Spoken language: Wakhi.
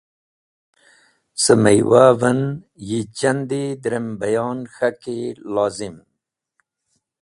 Ca miywa’v en, yi chand e drem bayon k̃haki lozim.